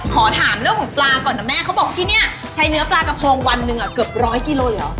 ขอถามเรื่องของปลาก่อนนะแม่เขาบอกที่นี่ใช้เนื้อปลากระโพงวันหนึ่งเกือบร้อยกิโลเหรอ